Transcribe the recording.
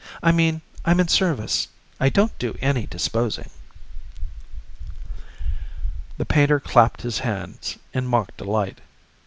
I mean, I'm in service. I don't do any disposing." The painter clapped his hands in mock delight.